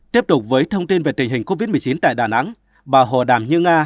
tiếp tục với thông tin về tình hình covid một mươi chín tại đà nẵng bà hồ đàm như nga